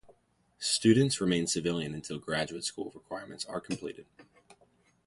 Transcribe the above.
Students remain civilian until graduate school requirements are completed.